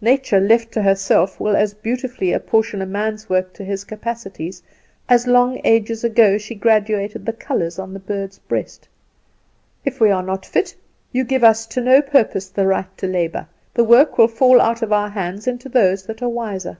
Nature, left to herself, will as beautifully apportion a man's work to his capacities as long ages ago she graduated the colours on the bird's breast. If we are not fit, you give us, to no purpose, the right to labour; the work will fall out of our hands into those that are wiser."